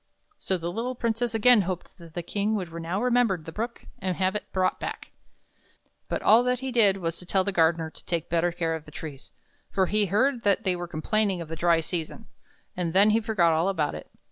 So the little Princess again hoped that the King would now remember the Brook and have it brought back. But all that he did was to tell the gardener to take better care of the trees, for he heard that they were complaining of the dry season; and then he forgot all about it.